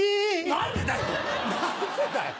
何でだよ！